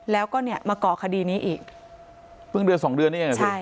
แล้วก็เนี้ยมาเกาะคดีนี้อีกเบื้องเดือนสองเดือนเนี้ยใช่ไหม